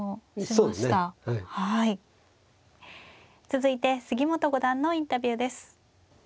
続いて杉本五段のインタビューです。